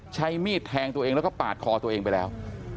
ใช้มีดแทงตัวเองแล้วก็ปาดคอตัวเองไปแล้ว